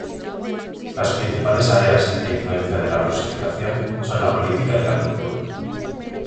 Las principales áreas de influencia de la rusificación son la política y la cultura.